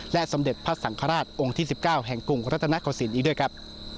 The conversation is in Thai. สมเด็จพระสังฆราชองค์ที่๑๙แห่งกรุงรัฐนโกศิลป์อีกด้วยครับ